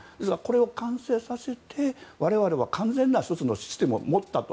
完成させて我々は完全な１つのシステムを持ったと。